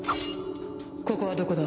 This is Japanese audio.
ここはどこだ？